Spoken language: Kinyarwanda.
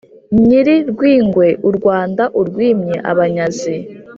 nyiri-rwingwe u rwanda urwimye abanyazi.